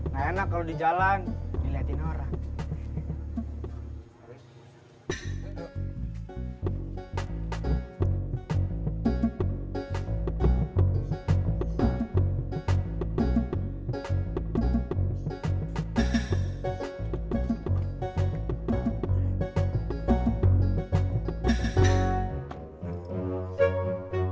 gak enak kalau di jalan diliatin orang